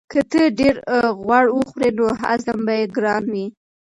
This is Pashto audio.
که ته ډېر غوړ وخورې نو هضم به یې ګران وي.